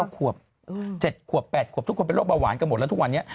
๗ขวบ๘ขวบทุกคนเป็นโรคเบาหวานกันหมดแล้วทุกวันนี้